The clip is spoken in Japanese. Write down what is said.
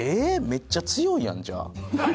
めっちゃ強いやんじゃあ。